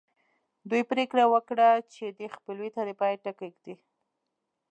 دوی پرېکړه وکړه چې دې خپلوۍ ته د پای ټکی ږدي